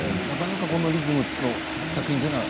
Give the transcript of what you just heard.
なかなかこのリズムの作品は。